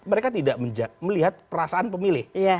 mereka tidak melihat perasaan pemilih